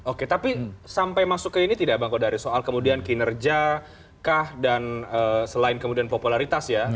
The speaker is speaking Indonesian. oke tapi sampai masuk ke ini tidak bang kodari soal kemudian kinerja kah dan selain kemudian popularitas ya